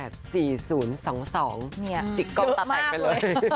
จิ๊กกล้องตาแตกไปเลยเยอะมากเลย